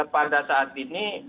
pada saat ini